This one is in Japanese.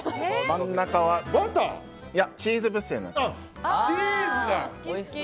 真ん中はチーズブッセになっています。